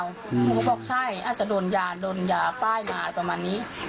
หนูก็บอกใช่อาจจะโดนยาโดนยาป้ายมาอะไรประมาณนี้